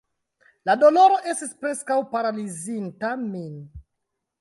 La doloro estis preskaŭ paralizinta min.